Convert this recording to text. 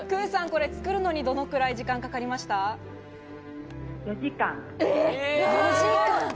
ｋｕさん、作るのにどれくらい時間かかりましたか？